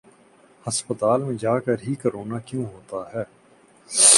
ہسپتال میں جاکر ہی کرونا کیوں ہوتا ہے ۔